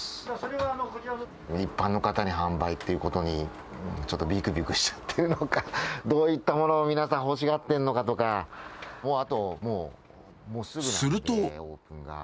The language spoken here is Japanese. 一般の方に販売ということに、ちょっとびくびくしちゃってるのか、どういったものを皆さん、欲しがっているのかとか、もうあと、すると。